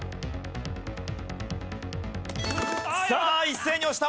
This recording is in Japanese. さあ一斉に押した。